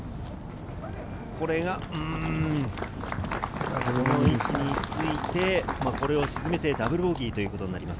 この位置についてこれを沈めてダブルボギーということになります。